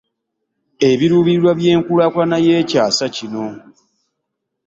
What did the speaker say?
Ebiruubirirwa by’Enkulaakulana y’Ekyasa kino.